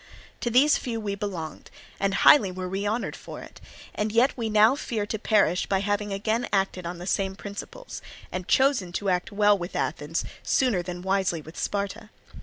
To these few we belonged, and highly were we honoured for it; and yet we now fear to perish by having again acted on the same principles, and chosen to act well with Athens sooner than wisely with Sparta.